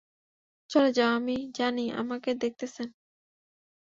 চলে যাও আমি জানি আমাকে দেখতেছেন!